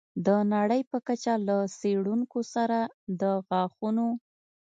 د نړۍ په کچه له څېړونکو سره د غاښونو